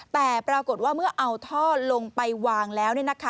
แต่ปรากฏว่าเมื่อเอาท่อลงไปวางแล้ว